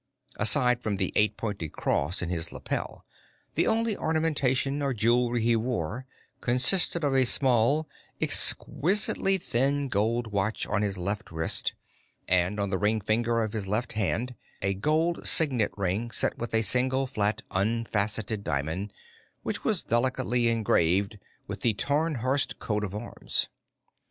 Aside from the eight pointed cross in his lapel, the only ornamentation or jewelry he wore consisted of a small, exquisitely thin gold watch on his left wrist, and, on the ring finger of his left hand, a gold signet ring set with a single, flat, unfaceted diamond which was delicately engraved with the Tarnhorst coat of arms.